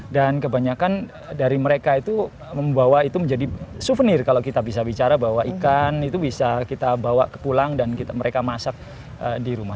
dan kebanyakan dari mereka itu membawa itu menjadi souvenir kalau kita bisa bicara bahwa ikan itu bisa kita bawa pulang dan mereka masak di rumah